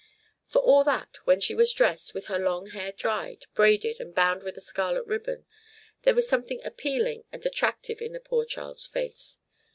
For all that, when she was dressed, with her long hair dried, braided, and bound with a scarlet ribbon, there was something appealing and attractive in the poor child's face.